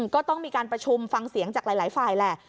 ก็ต้องมีการประชุมฟังเสียงจากหลายฝ่ายแหละ